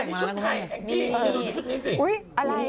อันนี้ชุดไทยนี่นี่ชุดนี่สิ